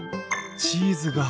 チーズが。